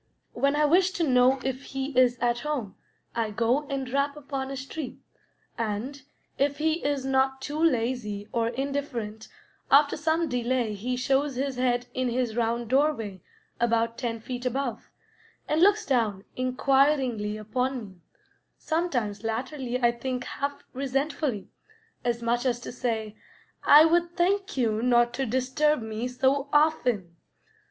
When I wish to know if he is at home, I go and rap upon his tree, and, if he is not too lazy or indifferent, after some delay he shows his head in his round doorway about ten feet above, and looks down inquiringly upon me sometimes latterly I think half resentfully, as much as to say, "I would thank you not to disturb me so often."